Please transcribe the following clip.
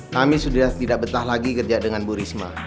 kami sudah tidak betah lagi kerja dengan bu risma